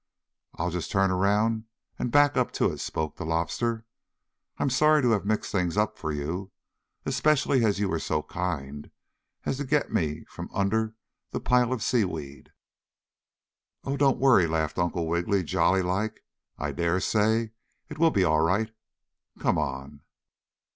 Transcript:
"I'll just turn around and back up to it," spoke the Lobster. "I'm sorry to have mixed things up for you, especially as you were so kind as to get me from under the pile of seaweed." "Oh, don't worry!" laughed Uncle Wiggily, jolly like. "I dare say it will be all right. Come on!"